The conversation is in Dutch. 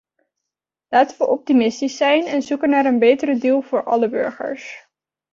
Laten we optimistisch zijn en zoeken naar een betere deal voor alle burgers.